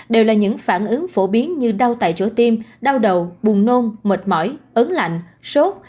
đều là những phản ứng phổ biến như đau tại chỗ tim đau đầu buồn nôn mệt mỏi ấn lạnh sốt